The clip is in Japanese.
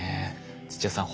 土屋さん